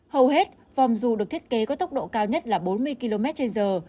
hầu hết vòng dù được thiết kế có tốc độ cao nhất là bốn mươi km trên giờ